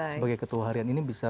sebagai ketua harian ini bisa